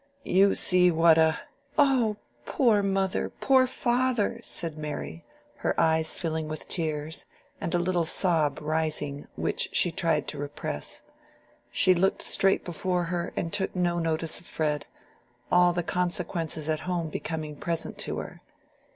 You see what a—" "Oh, poor mother, poor father!" said Mary, her eyes filling with tears, and a little sob rising which she tried to repress. She looked straight before her and took no notice of Fred, all the consequences at home becoming present to her.